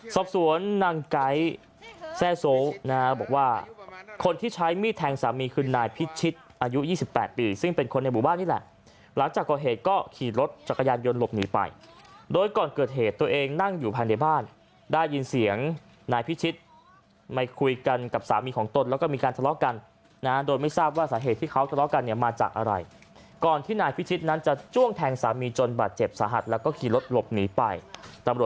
สอบสวนนางไก๊แซ่โซ่นะบอกว่าคนที่ใช้มีดแทงสามีคือนายพิชิตอายุ๒๘ปีซึ่งเป็นคนในบุตรบ้านนี่แหละหลังจากก่อเหตุก็ขี่รถจักรยานยนต์หลบหนีไปโดยก่อนเกิดเหตุตัวเองนั่งอยู่พันธุ์ในบ้านได้ยินเสียงนายพิชิตไม่คุยกันกับสามีของตนแล้วก็มีการทะเลาะกันนะโดยไม่ทราบว่าสาเหตุที่เขาทะเลา